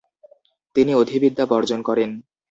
তিনি অধিবিদ্যা বর্জন করেন।